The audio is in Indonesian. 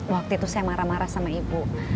waktu itu saya marah marah sama ibu